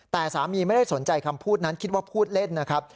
แต่สามีไม่ได้สนใจคำพูดนั้นคิดว่าพูดเล่นนะครับ